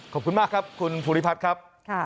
ขอบคุณมากครับคุณภูริพัฒน์ครับ